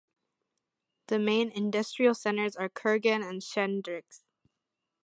The main industrial centers are Kurgan, and Shadrinsk.